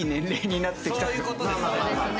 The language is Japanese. そういうことですね。